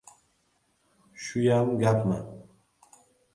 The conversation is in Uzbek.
Shuyam gapmi?